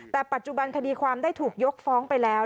แต่ปัจจุบันคดีความได้ถูกยกฟ้องไปแล้ว